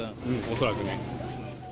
恐らくね。